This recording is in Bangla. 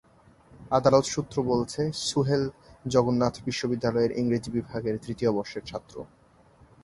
আদালত সূত্র বলছে, সুহেল জগন্নাথ বিশ্ববিদ্যালয়ের ইংরেজি বিভাগের তৃতীয় বর্ষের ছাত্র।